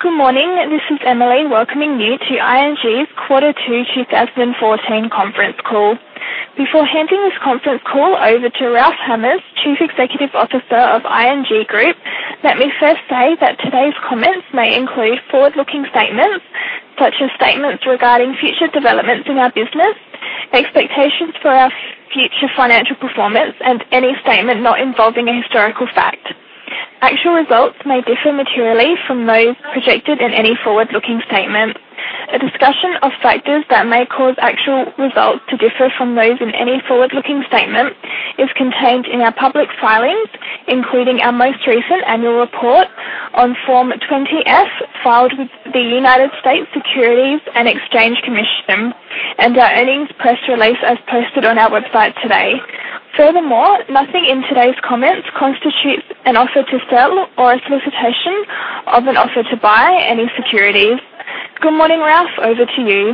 Good morning. This is Emily welcoming you to ING's Quarter Two 2014 conference call. Before handing this conference call over to Ralph Hamers, Chief Executive Officer of ING Groep, let me first say that today's comments may include forward-looking statements, such as statements regarding future developments in our business, expectations for our future financial performance, and any statement not involving a historical fact. Actual results may differ materially from those projected in any forward-looking statement. A discussion of factors that may cause actual results to differ from those in any forward-looking statement is contained in our public filings, including our most recent annual report on Form 20-F, filed with the United States Securities and Exchange Commission, and our earnings press release as posted on our website today. Nothing in today's comments constitutes an offer to sell or a solicitation of an offer to buy any securities. Good morning, Ralph. Over to you.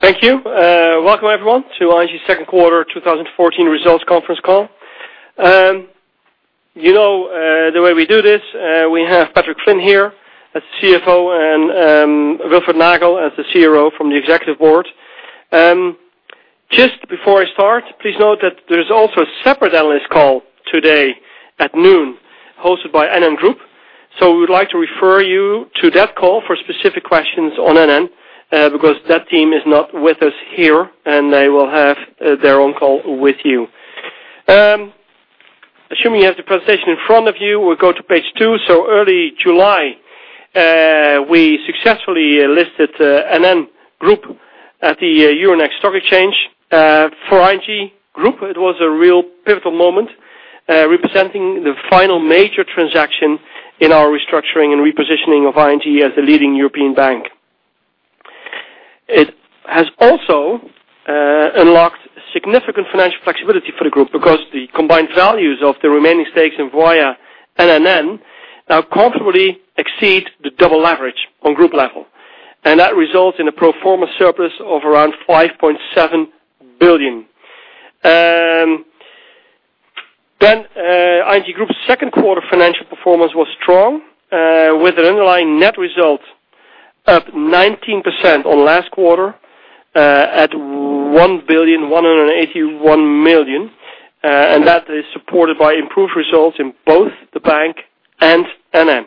Thank you. Welcome, everyone, to ING's second quarter 2014 results conference call. You know the way we do this. We have Patrick Flynn here as the CFO and Wilfred Nagel as the CRO from the executive board. Just before I start, please note that there's also a separate analyst call today at noon hosted by NN Group. We would like to refer you to that call for specific questions on NN, because that team is not with us here, and they will have their own call with you. Assuming you have the presentation in front of you, we'll go to page two. Early July, we successfully listed NN Group at the Euronext stock exchange. For ING Group, it was a real pivotal moment, representing the final major transaction in our restructuring and repositioning of ING as a leading European bank. It has also unlocked significant financial flexibility for the group because the combined values of the remaining stakes in Voya NN now comfortably exceed the double leverage on group level, and that results in a pro forma surplus of around 5.7 billion. ING Group's second quarter financial performance was strong, with an underlying net result up 19% on last quarter at 1,181 million. That is supported by improved results in both the bank and NN.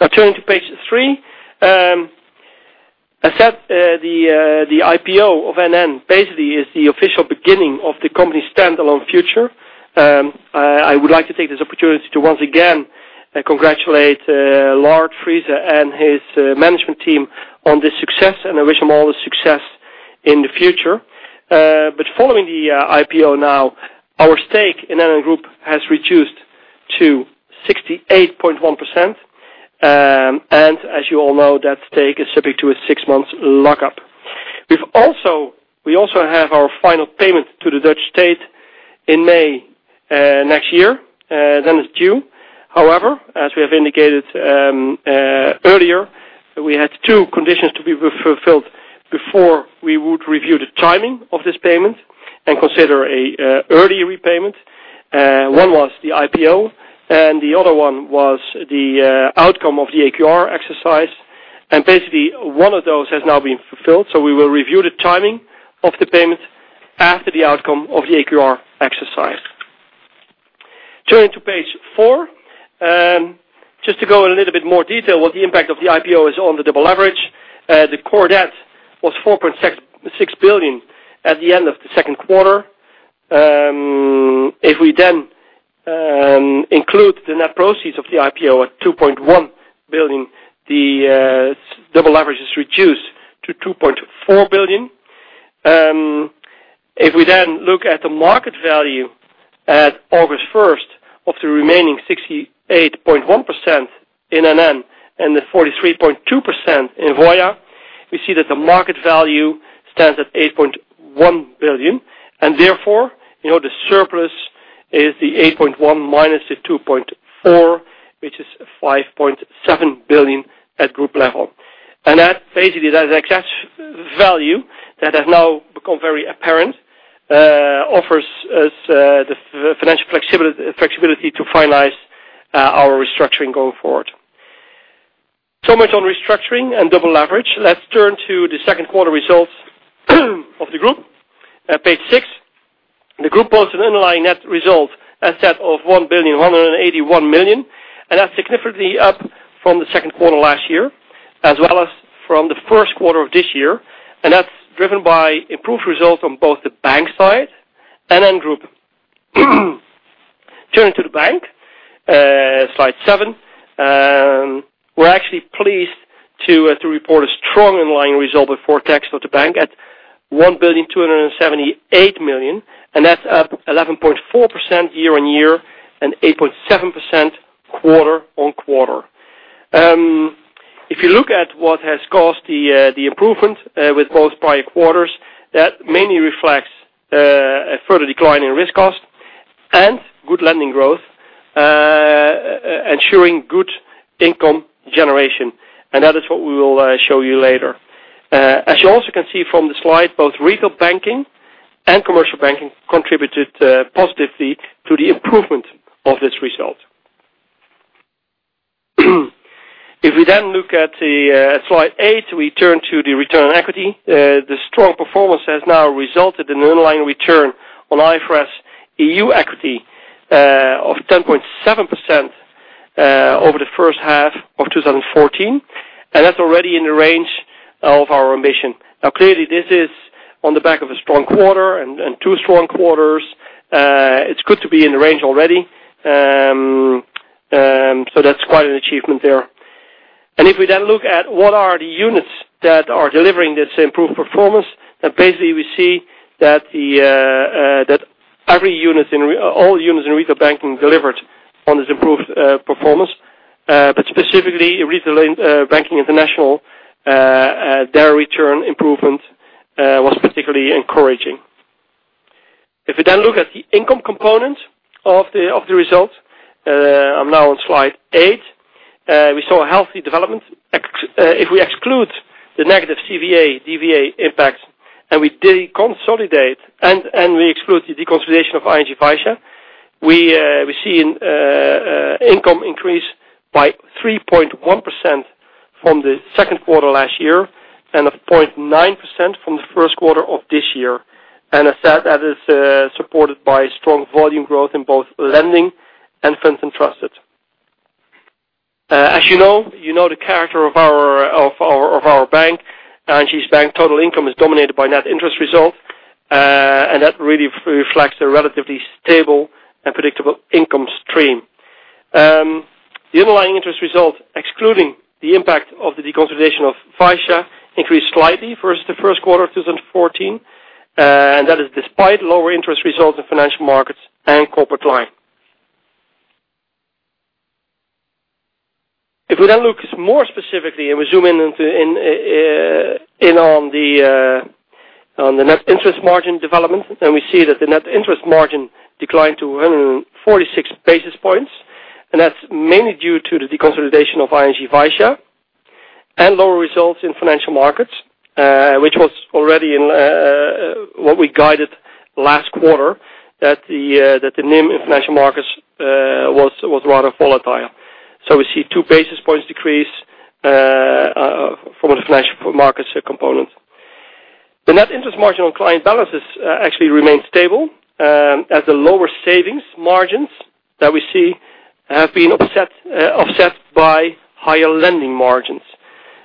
Now turning to page three. As said, the IPO of NN basically is the official beginning of the company's standalone future. I would like to take this opportunity to once again congratulate Lard Friese and his management team on this success, and I wish them all the success in the future. Following the IPO now, our stake in NN Group has reduced to 68.1%, and as you all know, that stake is subject to a six-month lockup. We also have our final payment to the Dutch state in May next year. Then it is due. However, as we have indicated earlier, we had two conditions to be fulfilled before we would review the timing of this payment and consider an early repayment. One was the IPO, and the other one was the outcome of the AQR exercise. And basically, one of those has now been fulfilled, so we will review the timing of the payment after the outcome of the AQR exercise. Turning to page four. Just to go in a little bit more detail what the impact of the IPO is on the double leverage. The core debt was 4.6 billion at the end of the Q2. Including the net proceeds of the IPO at 2.1 billion, the double leverage is reduced to 2.4 billion. If we then look at the market value at August 1st of the remaining 68.1% in NN and the 43.2% in Voya, we see that the market value stands at 8.1 billion, and therefore, the surplus is the 8.1 billion minus the 2.4 billion, which is 5.7 billion at group level. And that basically that excess value that has now become very apparent offers us the financial flexibility to finalize our restructuring going forward. Much on restructuring and double leverage. Let's turn to the Q2 results of the group at page six. The group posted an underlying net result, as said, of 1,181 million, and that is significantly up from the Q2 last year, as well as from the Q1 of this year, and that is driven by improved results on both the bank side and NN Group. Turning to the bank. Slide seven. We are actually pleased to report a strong underlying result before tax of the bank at 1,278 million, and that is up 11.4% year-on-year and 8.7% quarter-on-quarter. If you look at what has caused the improvement with both prior quarters, that mainly reflects a further decline in risk cost and good lending growth, ensuring good income generation. And that is what we will show you later. As you also can see from the slide, both Retail Banking and Commercial Banking contributed positively to the improvement of this result. Looking at slide eight, we turn to the return on equity. The strong performance has now resulted in an underlying return on IFRS-EU equity of 10.7% over the first half of 2014, and that is already in the range of our ambition. Now, clearly, this is on the back of a strong quarter and two strong quarters. It is good to be in the range already, so that is quite an achievement there. And if we then look at what are the units that are delivering this improved performance, then basically we see that all units in Retail Banking delivered on this improved performance. But specifically, Retail Banking International, their return improvement was particularly encouraging. If we then look at the income component of the result, I am now on slide eight, we saw a healthy development. If we exclude the negative CVA, DVA impact, we exclude the deconsolidation of ING Vysya, we see an income increase by 3.1% from the second quarter last year and of 0.9% from the first quarter of this year. That is supported by strong volume growth in both lending and funds entrusted. As you know, you know the character of our bank, ING Bank's total income is dominated by net interest result. That really reflects the relatively stable and predictable income stream. The underlying interest result, excluding the impact of the deconsolidation of Vysya, increased slightly versus the first quarter of 2014. That is despite lower interest results in financial markets and corporate line. If we then look more specifically, we zoom in on the net interest margin development, we see that the net interest margin declined to 146 basis points. That's mainly due to the deconsolidation of ING Vysya and lower results in financial markets, which was already what we guided last quarter, that the NIM in financial markets was rather volatile. We see two basis points decrease from the financial markets component. The net interest margin on client balances actually remained stable as the lower savings margins that we see have been offset by higher lending margins.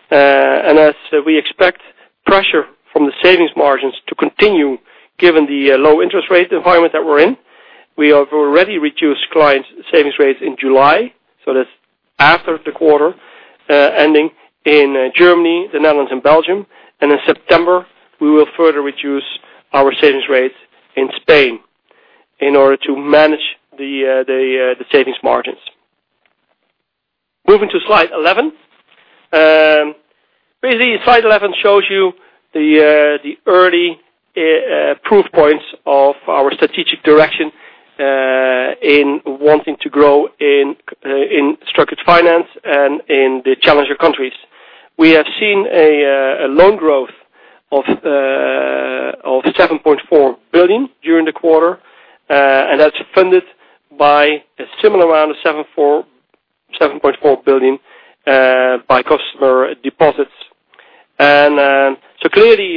As we expect pressure from the savings margins to continue, given the low interest rate environment that we're in, we have already reduced client savings rates in July. That's after the quarter ending in Germany, the Netherlands and Belgium. In September, we will further reduce our savings rates in Spain in order to manage the savings margins. Moving to slide 11. Basically, slide 11 shows you the early proof points of our strategic direction in wanting to grow in structured finance and in the challenger countries. We have seen a loan growth of 7.4 billion during the quarter. That's funded by a similar amount of 7.4 billion by customer deposits. Clearly,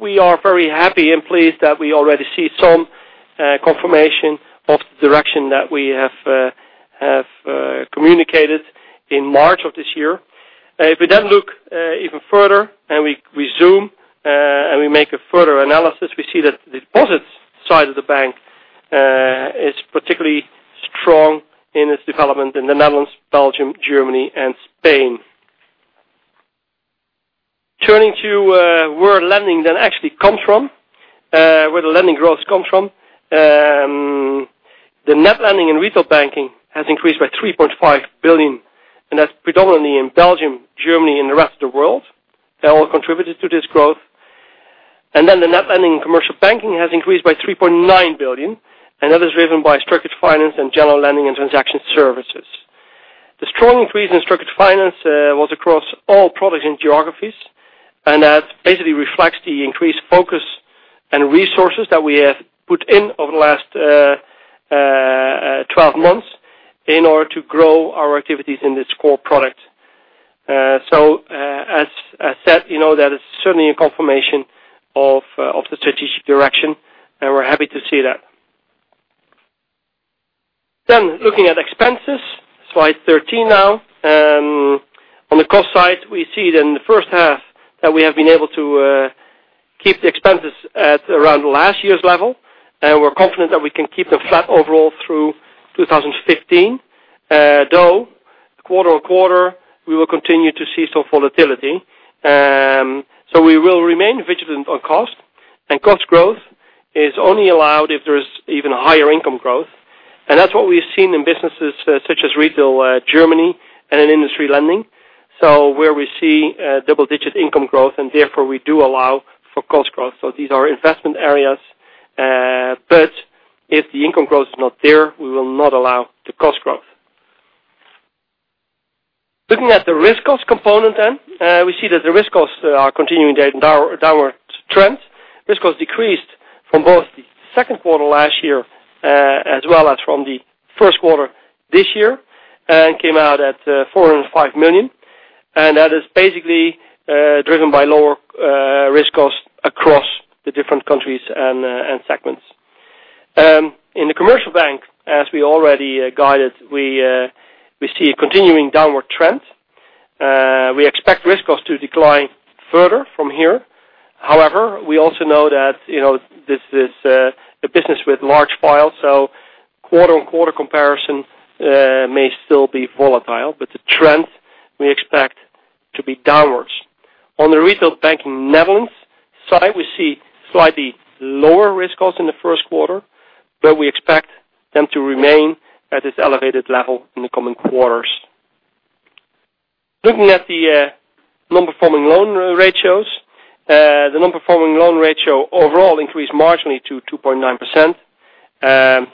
we are very happy and pleased that we already see some confirmation of the direction that we have communicated in March of this year. If we look even further, we zoom and we make a further analysis, we see that the deposits side of the bank is particularly strong in its development in the Netherlands, Belgium, Germany and Spain. Turning to where lending actually comes from, where the lending growth comes from. The net lending in retail banking has increased by 3.5 billion. That's predominantly in Belgium, Germany and the rest of the world. They all contributed to this growth. The net lending in commercial banking has increased by 3.9 billion. That is driven by structured finance and general lending and transaction services. The strong increase in structured finance was across all products and geographies. That basically reflects the increased focus and resources that we have put in over the last 12 months in order to grow our activities in this core product. As I said, that is certainly a confirmation of the strategic direction, we're happy to see that. Looking at expenses, slide 13 now. On the cost side, we see that in the first half that we have been able to keep the expenses at around last year's level. We're confident that we can keep them flat overall through 2015. Quarter-on-quarter, we will continue to see some volatility. We will remain vigilant on cost, and cost growth is only allowed if there's even higher income growth. That's what we've seen in businesses such as Retail Germany and in business lending. Where we see double-digit income growth, therefore we do allow for cost growth. These are investment areas. If the income growth is not there, we will not allow the cost growth. Looking at the risk cost component, we see that the risk costs are continuing their downward trend. Risk cost decreased from both the second quarter last year, as well as from the first quarter this year, and came out at 405 million. That is basically driven by lower risk cost across the different countries and segments. In the Commercial Bank, as we already guided, we see a continuing downward trend. We expect risk cost to decline further from here. However, we also know that this is a business with large files, so quarter-on-quarter comparison may still be volatile, but the trend we expect to be downwards. On the Retail Bank in Netherlands side, we see slightly lower risk costs in the first quarter, but we expect them to remain at this elevated level in the coming quarters. Looking at the non-performing loan ratios. The non-performing loan ratio overall increased marginally to 2.9%,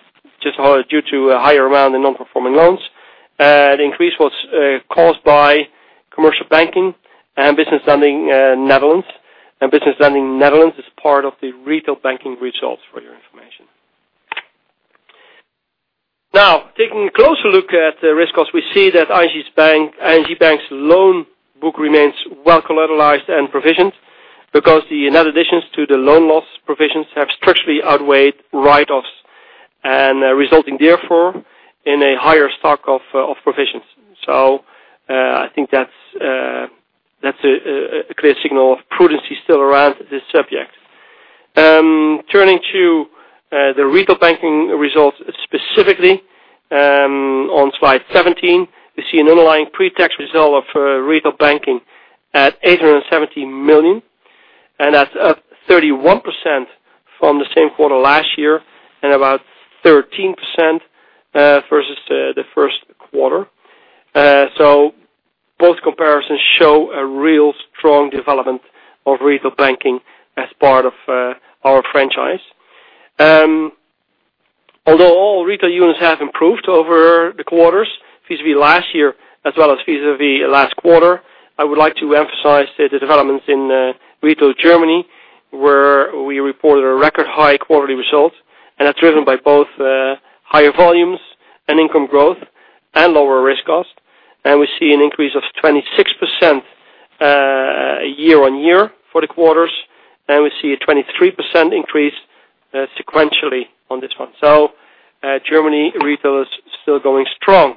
just due to a higher amount in non-performing loans. The increase was caused by Commercial Banking and business lending in Netherlands. Business lending in Netherlands is part of the retail banking results for your information. Taking a closer look at the risk cost, we see that ING Bank's loan book remains well collateralized and provisioned, because the net additions to the loan loss provisions have structurally outweighed write-offs, and resulting therefore in a higher stock of provisions. I think that's a clear signal of prudence is still around this subject. Turning to the Retail Banking results specifically, on slide 17, we see an underlying pre-tax result of Retail Banking at 870 million. That's up 31% from the same quarter last year and about 13% versus the first quarter. Both comparisons show a real strong development of Retail Banking as part of our franchise. Although all Retail units have improved over the quarters vis-à-vis last year, as well as vis-à-vis last quarter, I would like to emphasize the developments in Retail Germany, where we reported a record high quarterly result, and are driven by both higher volumes and income growth and lower risk cost. We see an increase of 26% year-on-year for the quarters, we see a 23% increase sequentially on this one. Germany Retail is still going strong.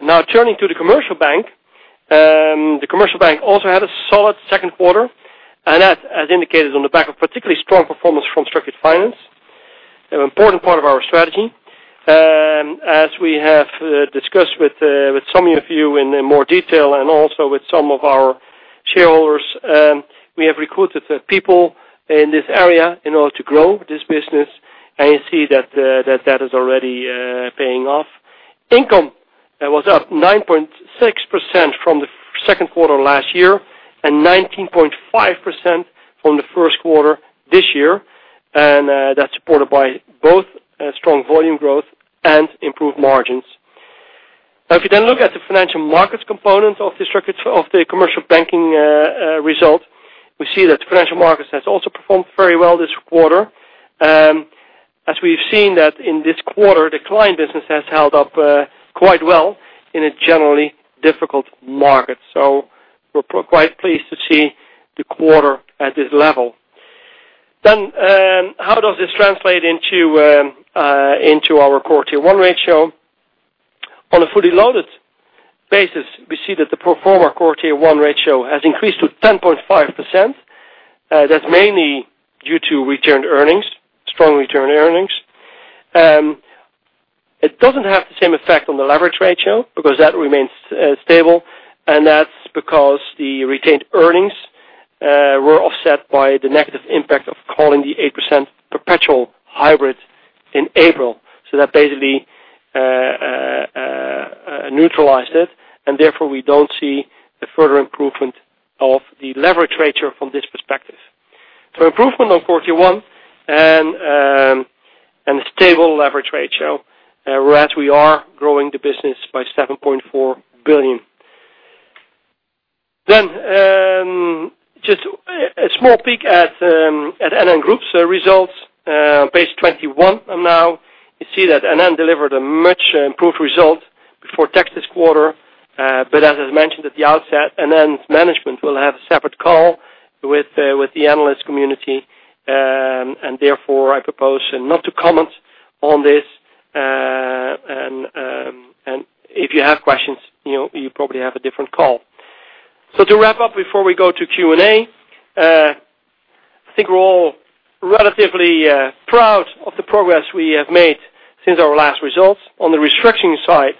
Turning to the Commercial Bank. The Commercial Bank also had a solid second quarter, that as indicated on the back of particularly strong performance from structured finance, an important part of our strategy. As we have discussed with some of you in more detail and also with some of our shareholders, we have recruited people in this area in order to grow this business. You see that is already paying off. Income was up 9.6% from the second quarter last year and 19.5% from the first quarter this year. That's supported by both strong volume growth and improved margins. If you then look at the financial markets component of the commercial banking result, we see that financial markets has also performed very well this quarter. We've seen that in this quarter, the client business has held up quite well in a generally difficult market. We're quite pleased to see the quarter at this level. How does this translate into our Core Tier 1 ratio? On a fully loaded basis, we see that the pro forma Core Tier 1 ratio has increased to 10.5%. That's mainly due to returned earnings, strong returned earnings. It doesn't have the same effect on the leverage ratio because that remains stable. That's because the retained earnings were offset by the negative impact of calling the 8% perpetual hybrid in April. That basically neutralized it. Therefore, we don't see the further improvement of the leverage ratio from this perspective. Improvement on Core Tier 1 and a stable leverage ratio. We are growing the business by 7.4 billion. Just a small peek at NN Group's results. Page 21 now. You see that NN delivered a much improved result before tax this quarter. As I mentioned at the outset, NN's management will have a separate call with the analyst community. Therefore, I propose not to comment on this. If you have questions, you probably have a different call. To wrap up before we go to Q&A. I think we're all relatively proud of the progress we have made since our last results. On the restructuring side,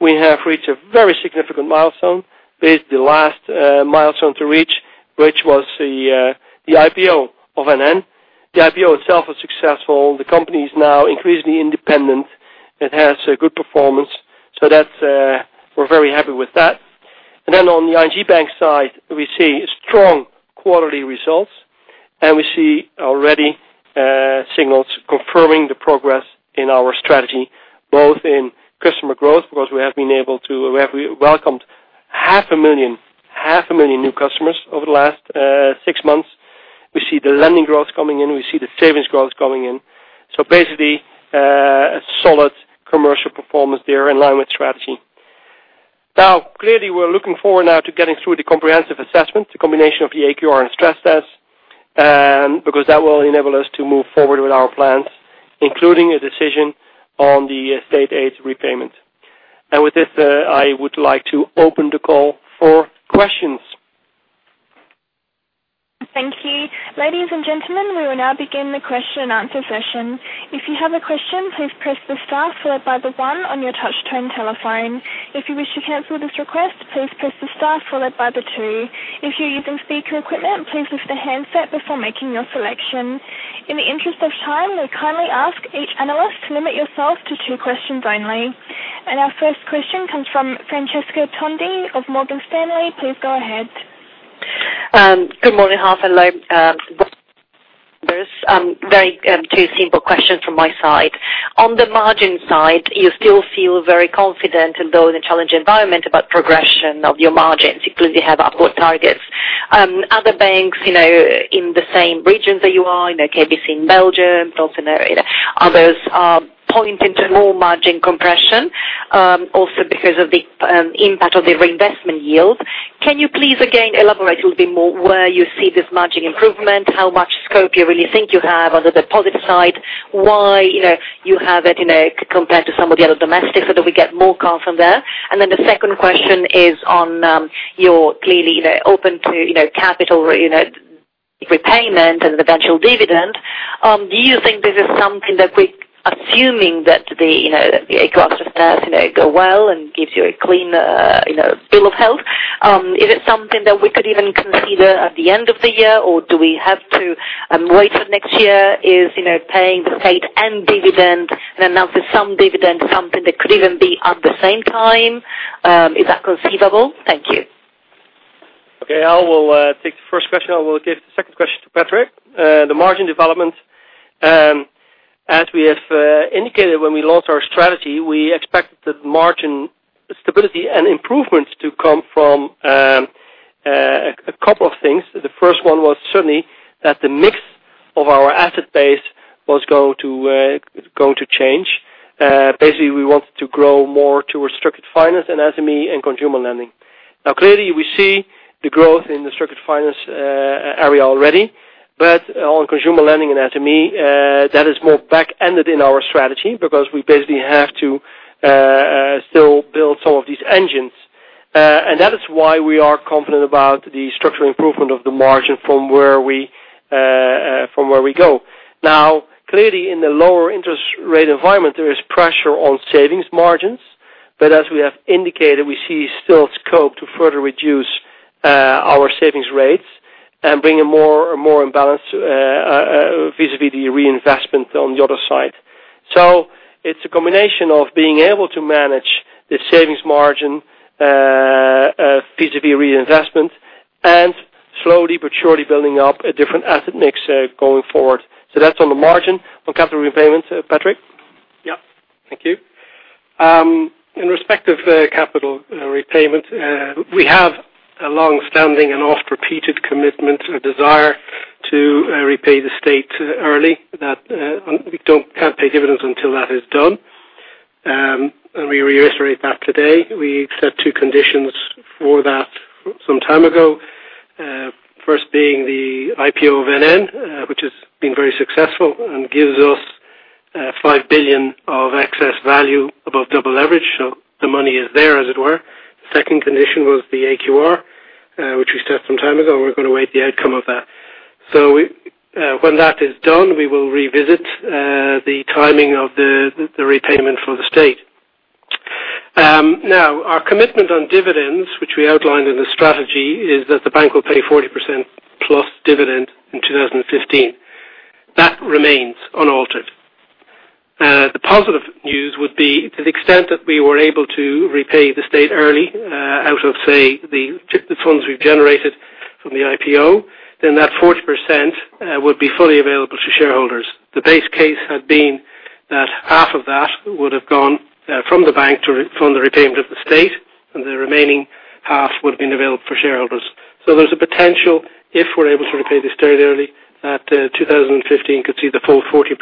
we have reached a very significant milestone, with the last milestone to reach, which was the IPO of NN. The IPO itself was successful. The company is now increasingly independent. It has a good performance. We're very happy with that. On the ING Bank side, we see strong quarterly results. We see already signals confirming the progress in our strategy, both in customer growth, because we have welcomed half a million new customers over the last six months. We see the lending growth coming in. We see the savings growth coming in. Basically, a solid commercial performance there in line with strategy. Clearly, we're looking forward now to getting through the comprehensive assessment, the combination of the AQR and stress test, because that will enable us to move forward with our plans, including a decision on the state aid repayment. With this, I would like to open the call for questions. Thank you. Ladies and gentlemen, we will now begin the question and answer session. If you have a question, please press the star followed by the one on your touch tone telephone. If you wish to cancel this request, please press the star followed by the two. If you're using speaker equipment, please lift the handset before making your selection. In the interest of time, we kindly ask each analyst to limit yourself to two questions only. Our first question comes from Francesca Tondi of Morgan Stanley. Please go ahead. Good morning, Hamers. Hello, very two simple questions from my side. On the margin side, you still feel very confident, although in a challenging environment, about progression of your margins, including you have upward targets. Other banks in the same regions that you are in, KBC in Belgium, others, are pointing to more margin compression, also because of the impact of the reinvestment yield. Can you please again elaborate a little bit more where you see this margin improvement, how much scope you really think you have on the deposit side, why you have it compared to some of the other domestics, so that we get more calm from there. The second question is on your clearly open to capital repayment and an eventual dividend. Do you think this is something that we're assuming that the AQR and stress test go well and gives you a clean bill of health? Is it something that we could even consider at the end of the year, or do we have to wait for next year? Is paying the state and dividend and announcing some dividend, something that could even be at the same time? Is that conceivable? Thank you. Okay, I will take the first question. I will give the second question to Patrick. The margin development, as we have indicated when we launched our strategy, we expected margin stability and improvements to come from a couple of things. The first one was certainly that the mix of our asset base was going to change. Basically, we wanted to grow more towards structured finance and SME and consumer lending. Clearly we see the growth in the structured finance area already, but on consumer lending and SME, that is more back-ended in our strategy because we basically have to still build some of these engines. That is why we are confident about the structural improvement of the margin from where we go. Clearly, in the lower interest rate environment, there is pressure on savings margins. As we have indicated, we see still scope to further reduce our savings rates and bring a more balance vis-à-vis the reinvestment on the other side. It's a combination of being able to manage the savings margin vis-à-vis reinvestment, and slowly but surely building up a different asset mix going forward. That's on the margin. On capital repayment, Patrick. Yeah. Thank you. In respect of capital repayment, we have a long-standing and oft-repeated commitment, a desire to repay the state early. We can't pay dividends until that is done. We reiterate that today. We set two conditions for that some time ago. First being the IPO of NN, which has been very successful and gives us 5 billion of excess value above double leverage. The money is there, as it were. The second condition was the AQR, which we set some time ago. We're going to wait the outcome of that. When that is done, we will revisit the timing of the repayment for the state. Our commitment on dividends, which we outlined in the strategy, is that the bank will pay 40% plus dividend in 2015. That remains unaltered. The positive news would be to the extent that we were able to repay the state early, out of, say, the funds we've generated from the IPO, then that 40% would be fully available to shareholders. The base case had been that half of that would have gone from the bank from the repayment of the state, and the remaining half would have been available for shareholders. There's a potential, if we're able to repay the state early, that 2015 could see the full 40%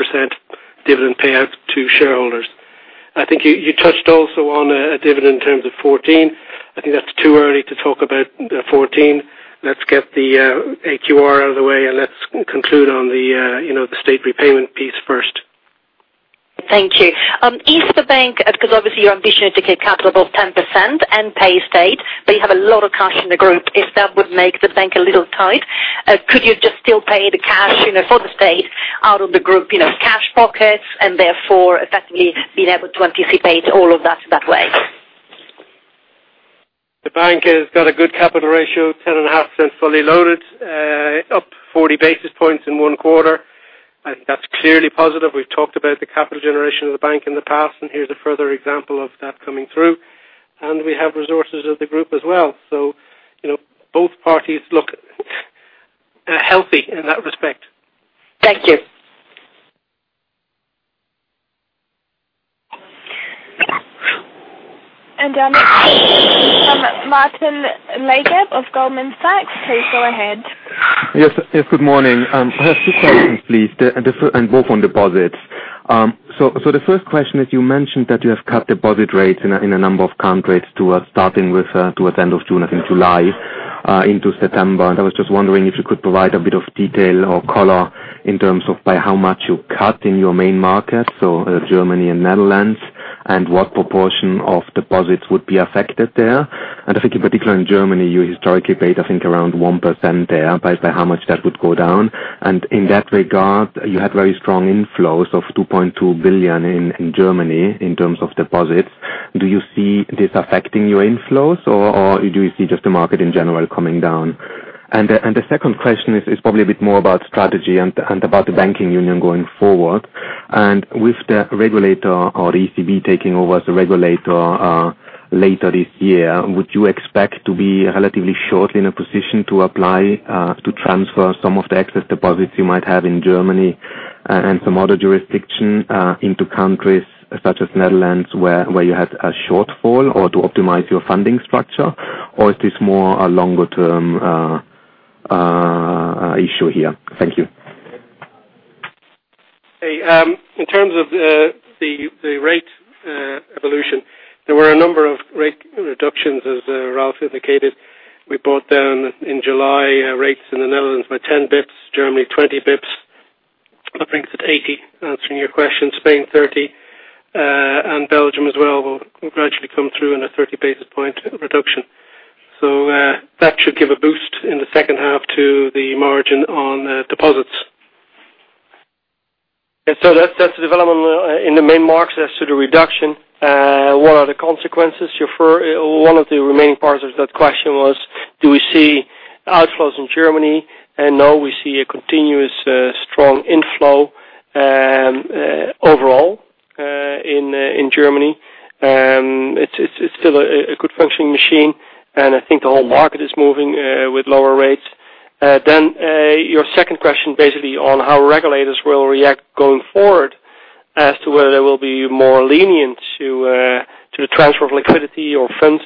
dividend payout to shareholders. I think you touched also on a dividend in terms of 2014. I think that's too early to talk about 2014. Let's get the AQR out of the way, and let's conclude on the state repayment piece first. Thank you. If the bank, because obviously your ambition is to keep capital above 10% and pay state, but you have a lot of cash in the group. If that would make the bank a little tight, could you just still pay the cash for the state out of the group cash pockets and therefore effectively being able to anticipate all of that way? The bank has got a good capital ratio, 10.5% fully loaded, up 40 basis points in one quarter. I think that's clearly positive. We've talked about the capital generation of the bank in the past, and here's a further example of that coming through. We have resources of the group as well. Both parties look healthy in that respect. Thank you. Our next question from Martin Leitgeb of Goldman Sachs. Please go ahead. Yes. Good morning. I have two questions, please, both on deposits. The first question is, you mentioned that you have cut deposit rates in a number of countries towards end of June, I think July, into September. I was just wondering if you could provide a bit of detail or color in terms of by how much you cut in your main markets, so Germany and Netherlands, and what proportion of deposits would be affected there. I think in particular in Germany, you historically paid, I think, around 1% there, by how much that would go down. In that regard, you had very strong inflows of 2.2 billion in Germany in terms of deposits. Do you see this affecting your inflows, or do you see just the market in general coming down? The second question is probably a bit more about strategy and about the banking union going forward. With the regulator or ECB taking over as the regulator later this year, would you expect to be relatively shortly in a position to apply to transfer some of the excess deposits you might have in Germany and some other jurisdiction into countries such as Netherlands, where you had a shortfall or to optimize your funding structure? Is this more a longer term issue here? Thank you. In terms of the rate evolution, there were a number of rate reductions, as Ralph indicated. We brought down in July rates in the Netherlands by 10 basis points, Germany 20 basis points. That brings it 80, answering your question, Spain 30, and Belgium as well will gradually come through in a 30 basis point reduction. That should give a boost in the second half to the margin on deposits. That's the development in the main markets as to the reduction. What are the consequences? One of the remaining parts of that question was, do we see outflows in Germany? No, we see a continuous strong inflow overall in Germany. It's still a good functioning machine, and I think the whole market is moving with lower rates. Your second question, basically on how regulators will react going forward as to whether they will be more lenient to the transfer of liquidity or funds.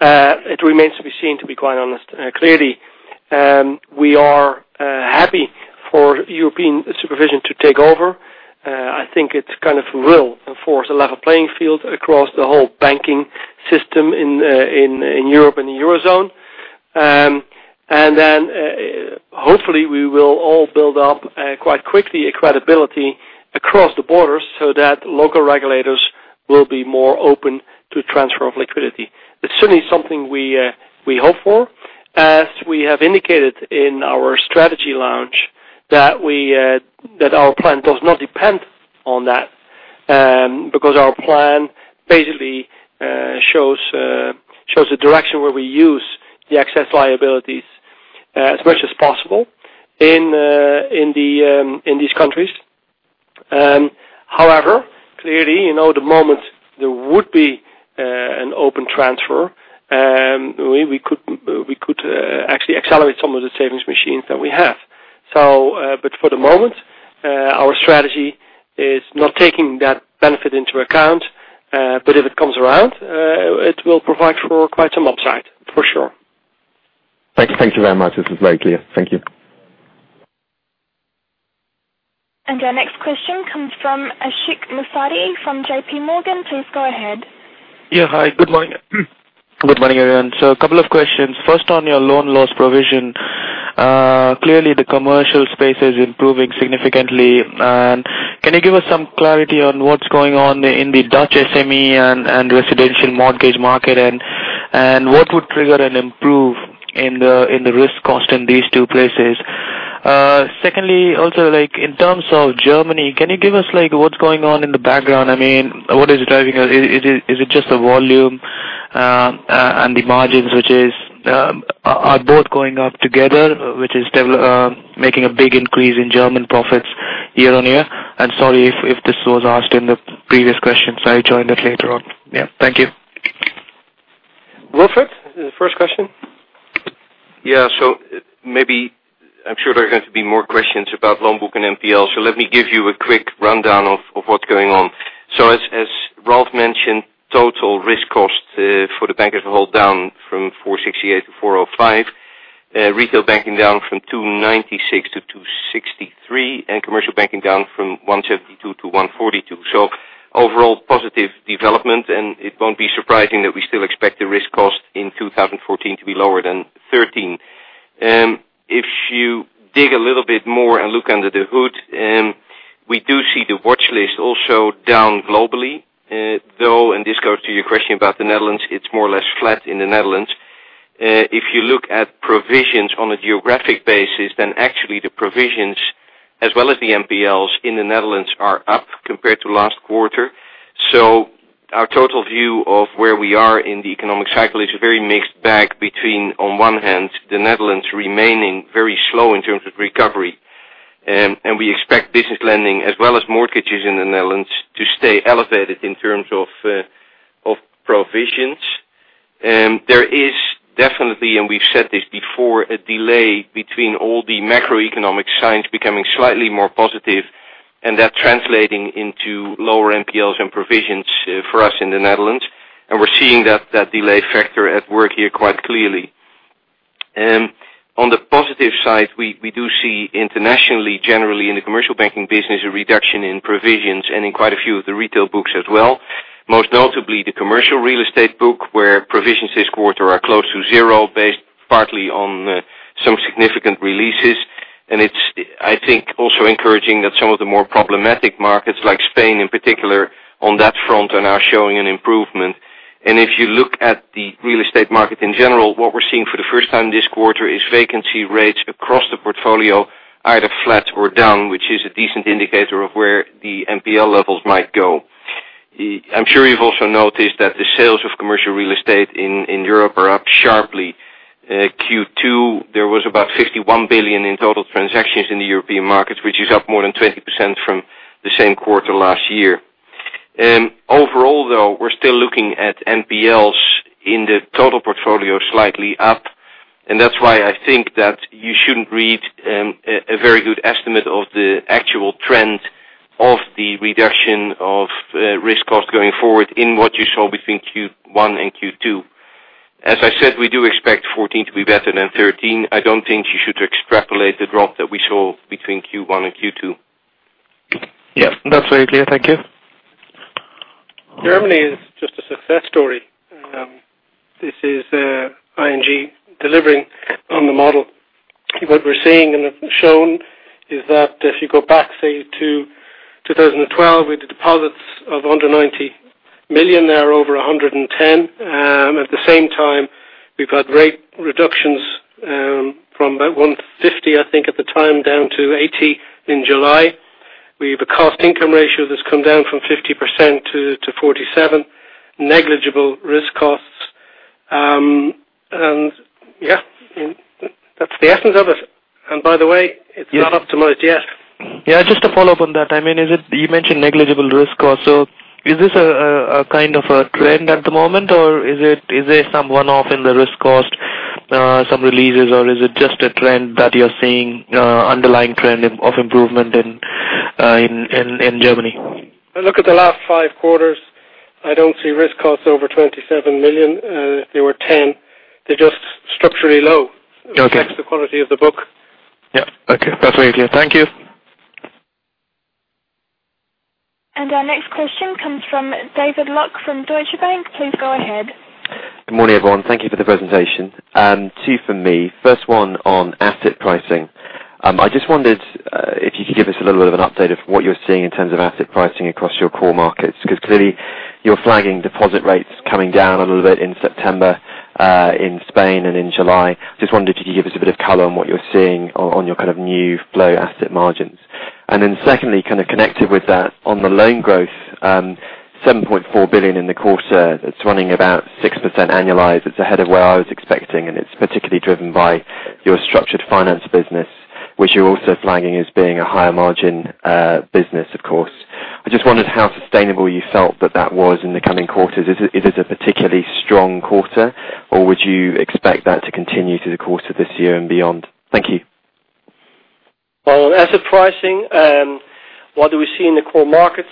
It remains to be seen, to be quite honest. Clearly, we are happy for European supervision to take over. I think it kind of will enforce a level playing field across the whole banking system in Europe and the Eurozone. Hopefully, we will all build up quite quickly a credibility across the borders so that local regulators will be more open to transfer of liquidity. It's certainly something we hope for, as we have indicated in our strategy launch, that our plan does not depend on that, because our plan basically shows the direction where we use the excess liabilities as much as possible in these countries. However, clearly, the moment there would be an open transfer, we could actually accelerate some of the savings machines that we have. For the moment, our strategy is not taking that benefit into account, but if it comes around, it will provide for quite some upside for sure. Thank you very much. This is very clear. Thank you. Our next question comes from Ashik Musfi from JPMorgan. Please go ahead. Hi. Good morning. A couple of questions. First, on your loan loss provision, clearly the commercial space is improving significantly. Can you give us some clarity on what's going on in the Dutch SME and residential mortgage market, and what would trigger an improve in the risk cost in these two places? Also in terms of Germany, can you give us what's going on in the background? What is driving it? Is it just the volume and the margins, which are both going up together, which is making a big increase in German profits year-on-year? Sorry if this was asked in the previous questions. I joined it later on. Thank you. Wilfred, the first question. Yeah. Maybe, I am sure there are going to be more questions about loan book and NPL. Let me give you a quick rundown of what's going on. As Ralph mentioned, total risk cost for the bank as a whole down from 468 to 405. Retail banking down from 296 to 263, and commercial banking down from 172 to 142. Overall positive development, and it won't be surprising that we still expect the risk cost in 2014 to be lower than 2013. If you dig a little bit more and look under the hood, we do see the watchlist also down globally, though, and this goes to your question about the Netherlands, it's more or less flat in the Netherlands. If you look at provisions on a geographic basis, actually the provisions, as well as the NPLs in the Netherlands are up compared to last quarter. Our total view of where we are in the economic cycle is a very mixed bag between, on one hand, the Netherlands remaining very slow in terms of recovery. We expect business lending as well as mortgages in the Netherlands to stay elevated in terms of provisions. There is definitely, and we've said this before, a delay between all the macroeconomic signs becoming slightly more positive, and that translating into lower NPLs and provisions for us in the Netherlands. We're seeing that delay factor at work here quite clearly. On the positive side, we do see internationally, generally, in the commercial banking business, a reduction in provisions and in quite a few of the retail books as well. Most notably the commercial real estate book, where provisions this quarter are close to zero, based partly on some significant releases. It's, I think, also encouraging that some of the more problematic markets, like Spain in particular, on that front are now showing an improvement. If you look at the real estate market in general, what we're seeing for the first time this quarter is vacancy rates across the portfolio are either flat or down, which is a decent indicator of where the NPL levels might go. I'm sure you've also noticed that the sales of commercial real estate in Europe are up sharply. Q2, there was about 51 billion in total transactions in the European markets, which is up more than 20% from the same quarter last year. Overall, though, we're still looking at NPLs in the total portfolio slightly up, and that's why I think that you shouldn't read a very good estimate of the actual trend of the reduction of risk cost going forward in what you saw between Q1 and Q2. As I said, we do expect 2014 to be better than 2013. I don't think you should extrapolate the drop that we saw between Q1 and Q2. Yes. That's very clear. Thank you. Germany is just a success story. This is ING delivering on the model. What we're seeing and have shown is that if you go back, say, to 2012, with the deposits of under 90 billion, there are over 110 billion. At the same time, we've had rate reductions from about 150, I think at the time, down to 80 in July. We have a cost-income ratio that's come down from 50% to 47%. Negligible risk costs. Yeah, that's the essence of it. By the way, it's not optimized yet. Yeah, just to follow up on that. You mentioned negligible risk cost. Is this a kind of a trend at the moment, or is there some one-off in the risk cost, some releases, or is it just a trend that you're seeing, underlying trend of improvement in Germany? Look at the last five quarters. I don't see risk costs over 27 million. They were 10 million. They're just structurally low. Okay. Reflects the quality of the book. Yeah. Okay. That's very clear. Thank you. Our next question comes from David Lock from Deutsche Bank. Please go ahead. Good morning, everyone. Thank you for the presentation. Two from me. First one on asset pricing. I just wondered if you could give us a little bit of an update of what you're seeing in terms of asset pricing across your core markets. Clearly you're flagging deposit rates coming down a little bit in September in Spain and in July. Just wondered if you could give us a bit of color on what you're seeing on your new flow asset margins. Secondly, kind of connected with that, on the loan growth, 7.4 billion in the quarter, that's running about 6% annualized. That's ahead of where I was expecting, and it's particularly driven by your structured finance business, which you're also flagging as being a higher margin business, of course. I just wondered how sustainable you felt that that was in the coming quarters. It is a particularly strong quarter, would you expect that to continue through the course of this year and beyond? Thank you. Well, on asset pricing, what do we see in the core markets?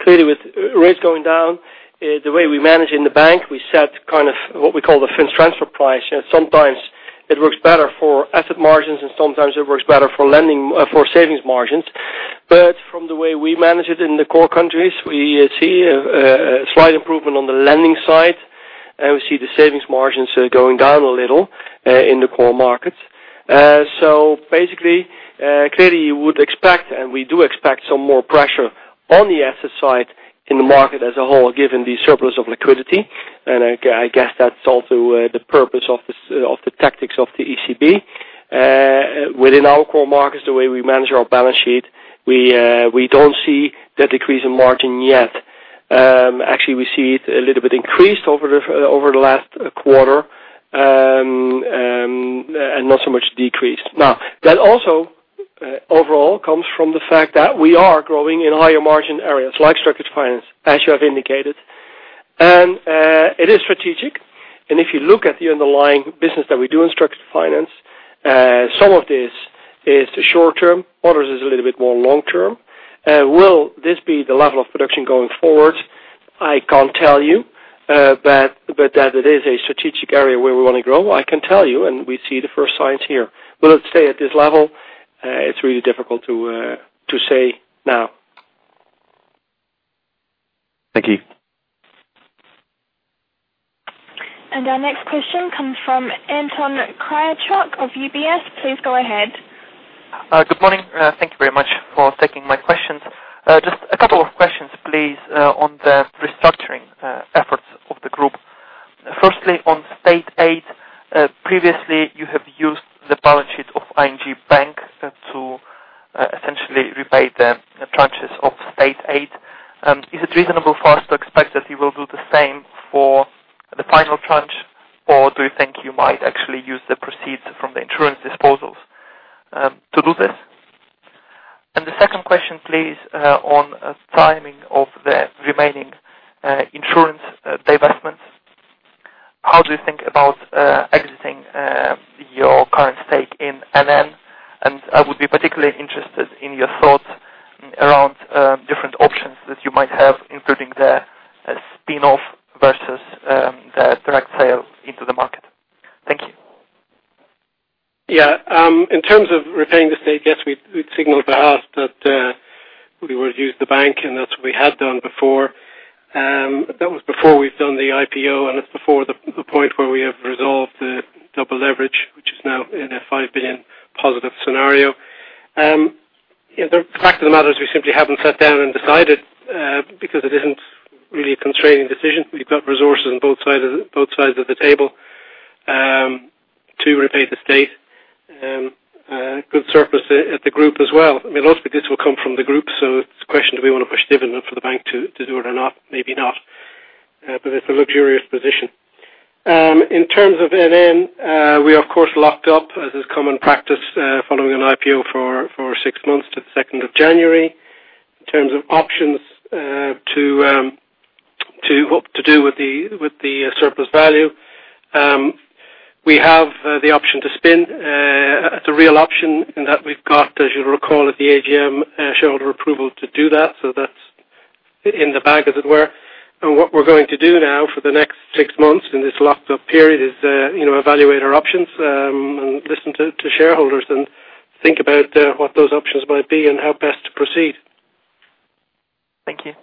Clearly with rates going down, the way we manage in the bank, we set what we call the funds transfer price. Sometimes it works better for asset margins, and sometimes it works better for savings margins. From the way we manage it in the core countries, we see a slight improvement on the lending side. We see the savings margins going down a little in the core markets. Basically, clearly you would expect, and we do expect some more pressure on the asset side in the market as a whole, given the surplus of liquidity. I guess that's also the purpose of the tactics of the ECB. Within our core markets, the way we manage our balance sheet, we don't see the decrease in margin yet. Actually, we see it a little bit increased over the last quarter, and not so much decreased. Now, that also overall comes from the fact that we are growing in higher margin areas like structured finance, as you have indicated. It is strategic, if you look at the underlying business that we do in structured finance, some of this is the short-term, others is a little bit more long-term. Will this be the level of production going forward? I can't tell you. That it is a strategic area where we want to grow, I can tell you, and we see the first signs here. Will it stay at this level? It's really difficult to say now. Thank you. Our next question comes from Anton Kryachok of UBS. Please go ahead. Good morning. Thank you very much for taking my questions. Just a couple of questions, please, on the restructuring efforts of the group. Firstly, on State Aid, previously you have used the balance sheet of ING Bank to essentially repay the tranches of State Aid. Is it reasonable for us to expect that you will do the same for the final tranche, or do you think you might actually use the proceeds from the insurance disposals to do this? The second question, please, on timing of the remaining insurance divestments. How do you think about exiting your current stake in NN? I would be particularly interested in your thoughts around different options that you might have, including the spin-off versus the direct sale into the market. Thank you. In terms of repaying the state, yes, we'd signaled to us that we would use the bank, and that's what we had done before. That was before we've done the IPO, and it's before the point where we have resolved the double leverage, which is now in a 5 billion positive scenario. The fact of the matter is we simply haven't sat down and decided, because it isn't really a constraining decision. We've got resources on both sides of the table to repay the state. Good surplus at the group as well. Mostly this will come from the group, so it's a question, do we want to push dividend for the bank to do it or not? Maybe not. It's a luxurious position. In terms of NN, we of course locked up, as is common practice, following an IPO for 6 months to the 2nd of January. In terms of options to do with the surplus value, we have the option to spin. It's a real option in that we've got, as you'll recall at the AGM, shareholder approval to do that. That's in the bag, as it were. What we're going to do now for the next 6 months in this locked up period is evaluate our options, and listen to shareholders and think about what those options might be and how best to proceed. Thank you.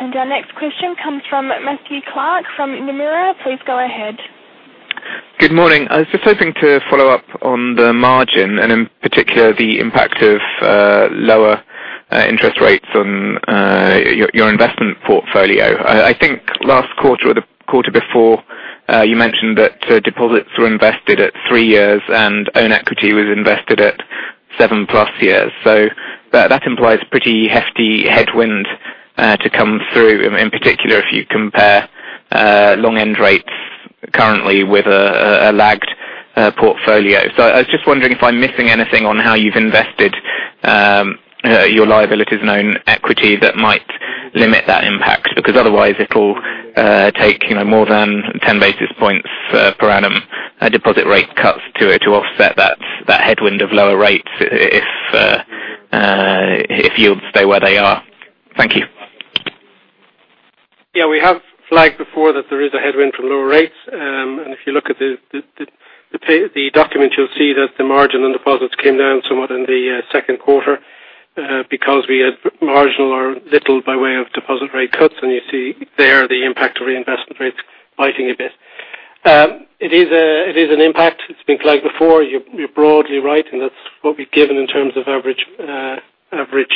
Our next question comes from Matthew Clark from Nomura. Please go ahead. Good morning. I was just hoping to follow up on the margin, in particular, the impact of lower interest rates on your investment portfolio. I think last quarter or the quarter before, you mentioned that deposits were invested at 3 years and own equity was invested at 7+ years. That implies pretty hefty headwind to come through, in particular if you compare long end rates currently with a lagged portfolio. I was just wondering if I'm missing anything on how you've invested your liabilities and own equity that might limit that impact, because otherwise it'll take more than 10 basis points per annum deposit rate cuts to it to offset that headwind of lower rates if yields stay where they are. Thank you. Yeah, we have flagged before that there is a headwind from lower rates. If you look at the document, you'll see that the margin and deposits came down somewhat in the second quarter because we had marginal or little by way of deposit rate cuts, and you see there the impact of reinvestment rates biting a bit. It is an impact. It's been flagged before. You're broadly right, and that's what we've given in terms of average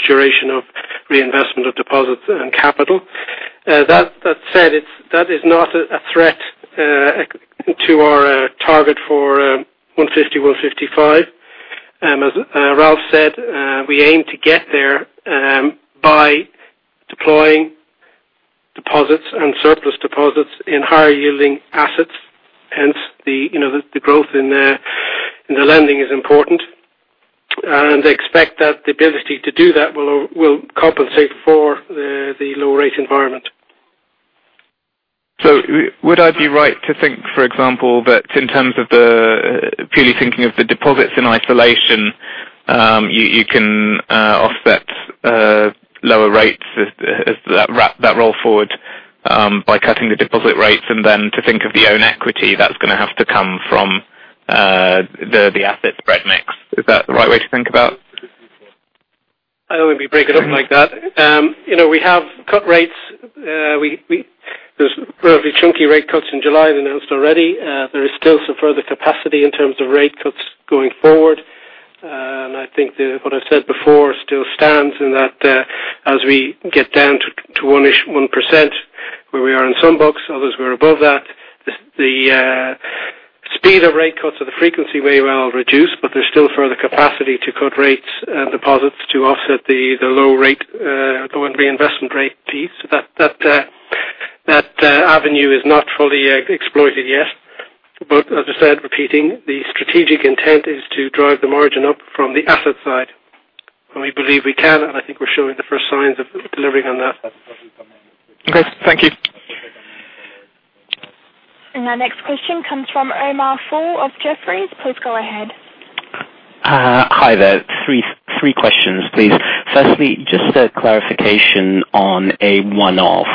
duration of reinvestment of deposits and capital. That said, that is not a threat to our target for 150, 155. As Ralph said, we aim to get there by deploying deposits and surplus deposits in higher yielding assets, hence the growth in the lending is important. Expect that the ability to do that will compensate for the lower rate environment. Would I be right to think, for example, that in terms of purely thinking of the deposits in isolation, you can offset lower rates as that roll forward by cutting the deposit rates, and then to think of the own equity that's going to have to come from the asset spread mix. Is that the right way to think about it? I don't think we break it up like that. We have cut rates. There's fairly chunky rate cuts in July announced already. There is still some further capacity in terms of rate cuts going forward. I think that what I've said before still stands in that as we get down to one-ish, 1%, where we are in some books, others we're above that, the speed of rate cuts or the frequency may well reduce, but there's still further capacity to cut rates and deposits to offset the low rate going reinvestment rate piece. That avenue is not fully exploited yet. As I said, repeating, the strategic intent is to drive the margin up from the asset side. We believe we can, and I think we're showing the first signs of delivering on that. Okay, thank you. Our next question comes from Omar Fall of Jefferies. Please go ahead. Hi there. Three questions, please. Firstly, just a clarification on a one-off.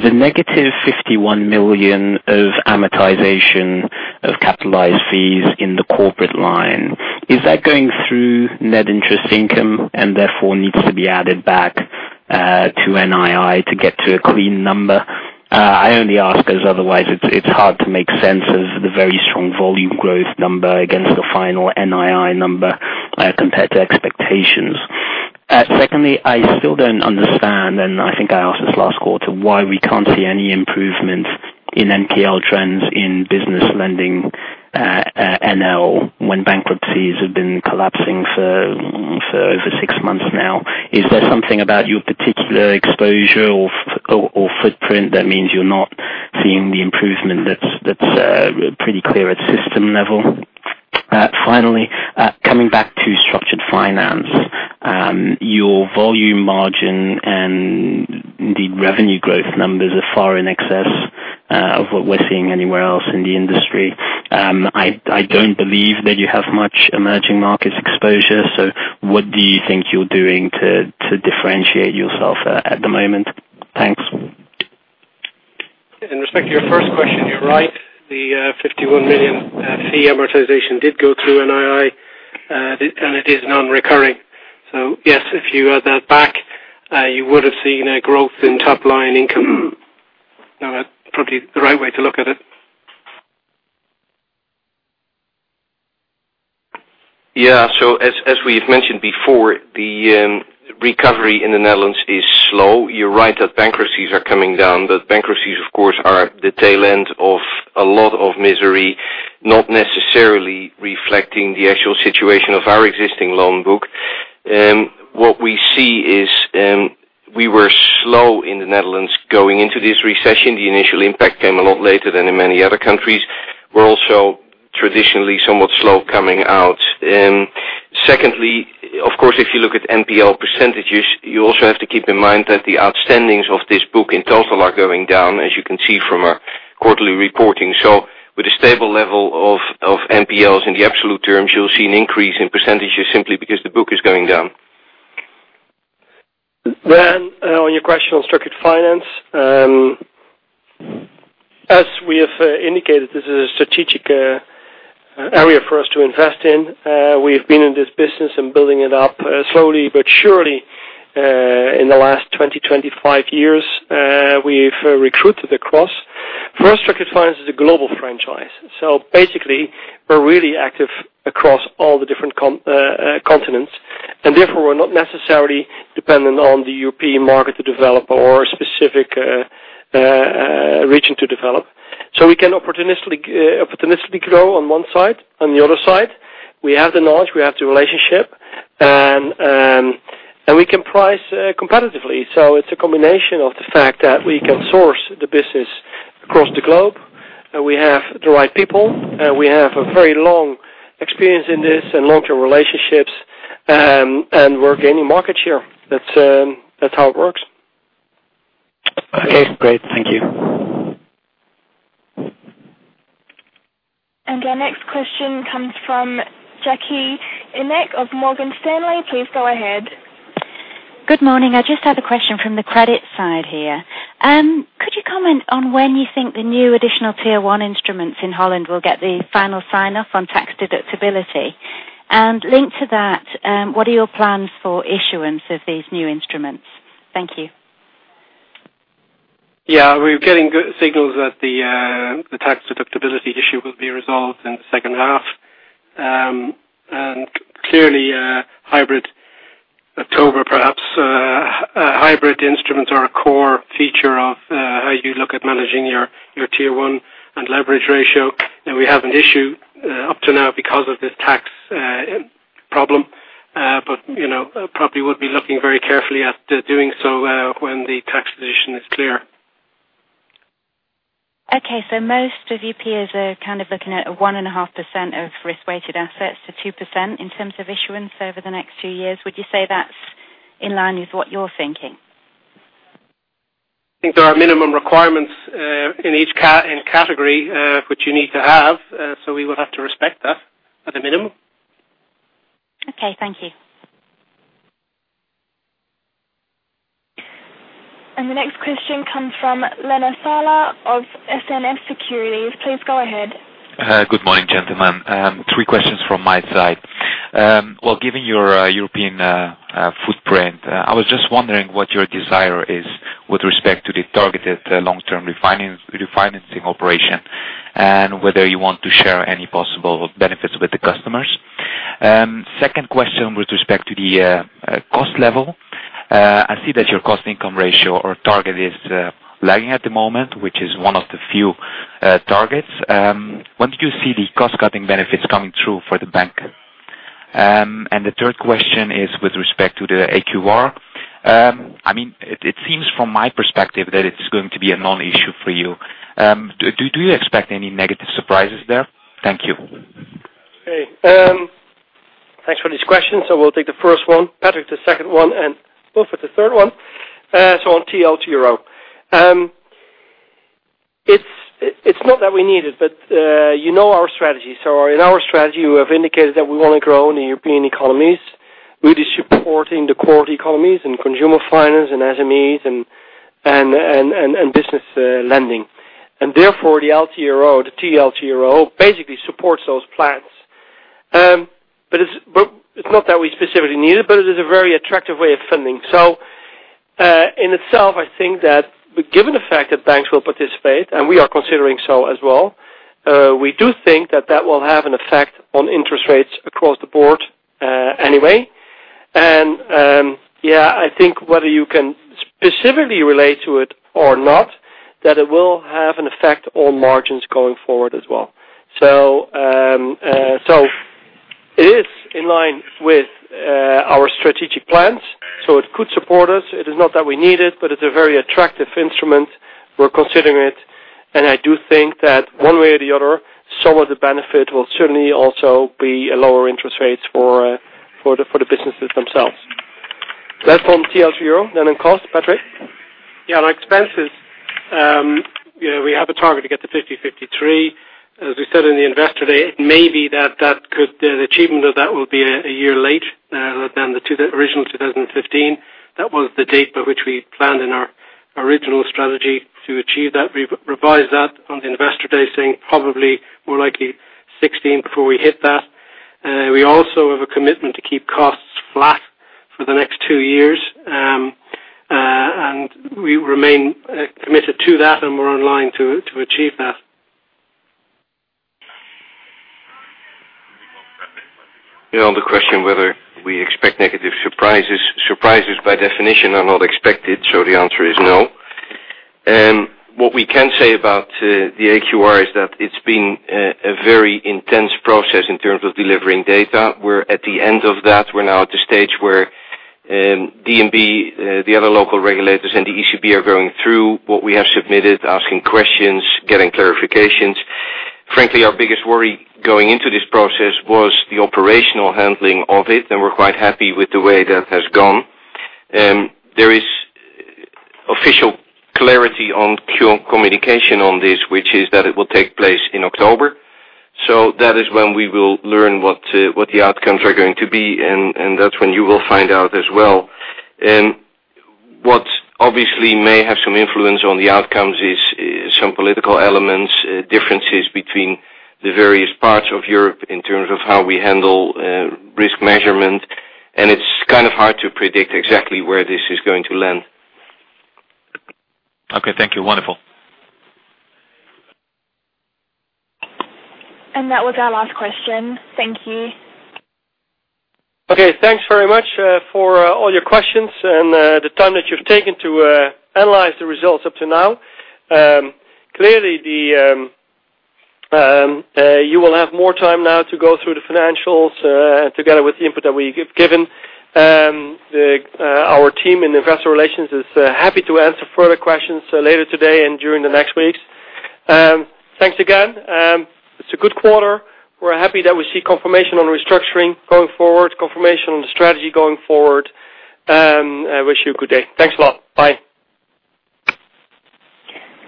The negative 51 million of amortization of capitalized fees in the corporate line, is that going through net interest income and therefore needs to be added back to NII to get to a clean number? I only ask as otherwise it's hard to make sense of the very strong volume growth number against the final NII number compared to expectations. Secondly, I still don't understand, and I think I asked this last quarter, why we can't see any improvements in NPL trends in business lending NL when bankruptcies have been collapsing for over six months now. Is there something about your particular exposure or footprint that means you're not seeing the improvement that's pretty clear at system level? Finally, coming back to structured finance, your volume margin and indeed revenue growth numbers are far in excess of what we're seeing anywhere else in the industry. I don't believe that you have much emerging markets exposure. What do you think you're doing to differentiate yourself at the moment? Thanks. In respect to your first question, you're right. The 51 million fee amortization did go through NII, and it is non-recurring. Yes, if you add that back, you would've seen a growth in top-line income. Now that's probably the right way to look at it. As we've mentioned before, the recovery in the Netherlands is slow. You're right that bankruptcies are coming down, but bankruptcies of course, are the tail end of a lot of misery, not necessarily reflecting the actual situation of our existing loan book. What we see is we were slow in the Netherlands going into this recession. The initial impact came a lot later than in many other countries. We're also traditionally somewhat slow coming out. Secondly, of course, if you look at NPL percentages, you also have to keep in mind that the outstandings of this book in total are going down, as you can see from our quarterly reporting. With a stable level of NPLs in the absolute terms, you'll see an increase in percentages simply because the book is going down. On your question on structured finance, as we have indicated, this is a strategic area for us to invest in. We've been in this business and building it up slowly but surely in the last 20, 25 years. We've recruited across. For us, structured finance is a global franchise. Basically, we're really active across all the different continents, we're not necessarily dependent on the European market to develop or a specific region to develop. We can opportunistically grow on one side. On the other side, we have the knowledge, we have the relationship, and we can price competitively. It's a combination of the fact that we can source the business across the globe, and we have the right people, and we have a very long experience in this, and long-term relationships, and we're gaining market share. That's how it works. Okay, great. Thank you. Our next question comes from Jackie Ineke of Morgan Stanley. Please go ahead. Good morning. I just had a question from the credit side here. Could you comment on when you think the new additional Tier 1 instruments in Holland will get the final sign-off on tax deductibility? Linked to that, what are your plans for issuance of these new instruments? Thank you. Yeah. We're getting good signals that the tax deductibility issue will be resolved in the second half. Clearly, hybrid instruments are a core feature of how you look at managing your Tier 1 and leverage ratio. We haven't issued up to now because of this tax problem. Probably would be looking very carefully at doing so when the tax position is clear. Okay. Most of your peers are kind of looking at a 1.5% of risk-weighted assets to 2% in terms of issuance over the next two years. Would you say that's in line with what you're thinking? I think there are minimum requirements in each category, which you need to have. We would have to respect that at a minimum. Okay, thank you. The next question comes from Lemer Salah of SNS Securities. Please go ahead. Good morning, gentlemen. Three questions from my side. Well, given your European footprint, I was just wondering what your desire is with respect to the Targeted Longer-Term Refinancing Operations, and whether you want to share any possible benefits with the customers. Second question with respect to the cost level. I see that your cost-income ratio or target is lagging at the moment, which is one of the few targets. When do you see the cost-cutting benefits coming through for the bank? The third question is with respect to the AQR. It seems from my perspective that it's going to be a non-issue for you. Do you expect any negative surprises there? Thank you. Okay. Thanks for these questions. We'll take the first one, Patrick, the second one, and Wilfred the third one. On TLTRO. It's not that we need it, but you know our strategy. In our strategy, we have indicated that we want to grow in the European economies. We'll be supporting the core economies in consumer finance and SMEs and business lending. Therefore, the TLTRO basically supports those plans. It's not that we specifically need it, but it is a very attractive way of funding. In itself, I think that given the fact that banks will participate, and we are considering so as well, we do think that that will have an effect on interest rates across the board anyway. Yeah, I think whether you can specifically relate to it or not, that it will have an effect on margins going forward as well. It is in line with our strategic plans. It could support us. It is not that we need it, but it's a very attractive instrument. We're considering it, and I do think that one way or the other, some of the benefit will certainly also be lower interest rates for the businesses themselves. Last one, TLTRO, on cost, Patrick. Yeah. On expenses, we have a target to get to 50/53. As we said in the Investor Day, it may be that the achievement of that will be a year late than the original 2015. That was the date by which we planned in our original strategy to achieve that. We revised that on the Investor Day, saying probably more likely 2016 before we hit that. We also have a commitment to keep costs flat for the next two years. We remain committed to that, and we're on line to achieve that. Yeah. On the question whether we expect negative surprises. Surprises by definition are not expected, so the answer is no. What we can say about the AQR is that it's been a very intense process in terms of delivering data. We're at the end of that. We're now at the stage where DNB, the other local regulators, and the ECB are going through what we have submitted, asking questions, getting clarifications. Frankly, our biggest worry going into this process was the operational handling of it, and we're quite happy with the way that has gone. There is official clarity on communication on this, which is that it will take place in October. That is when we will learn what the outcomes are going to be, and that's when you will find out as well. What obviously may have some influence on the outcomes is some political elements, differences between the various parts of Europe in terms of how we handle risk measurement, and it's kind of hard to predict exactly where this is going to land. Okay. Thank you. Wonderful. That was our last question. Thank you. Okay. Thanks very much for all your questions and the time that you've taken to analyze the results up to now. Clearly, you will have more time now to go through the financials together with the input that we've given. Our team in Investor Relations is happy to answer further questions later today and during the next weeks. Thanks again. It's a good quarter. We're happy that we see confirmation on restructuring going forward, confirmation on the strategy going forward. I wish you a good day. Thanks a lot. Bye.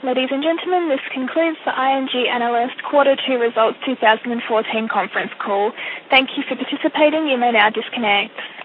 Ladies and gentlemen, this concludes the ING Analyst Quarter Two Results 2014 conference call. Thank you for participating. You may now disconnect.